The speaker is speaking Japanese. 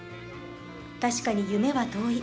確かに夢は遠い。